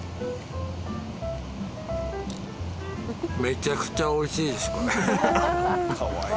めちゃくちゃ美味しいですこれ。